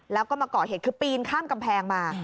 แล้วก็มาก่อเหตุคือปีนข้ามกำแพงมา